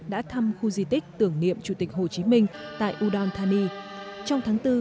đã thăm khu di tích tưởng niệm chủ tịch hồ chí minh tại udon thani trong tháng bốn